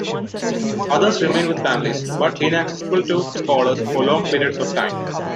Others remained with families, but inaccessible to scholars for long periods of time.